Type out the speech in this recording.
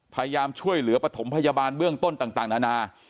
พยายามช่วยเหลือปฐมพยาบาลเบื้องต้นต่างนานา